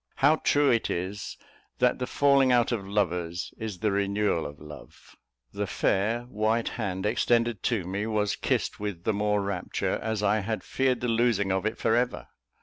How true it is, that the falling out of lovers is the renewal of love! The fair, white hand extended to me, was kissed with the more rapture, as I had feared the losing of it for ever.